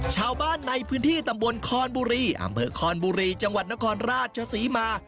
ชาวบ้านในพื้นที่ตำบลคอนบุรีอำเภอคอนบุรีจังหวัดนครราชศรีมา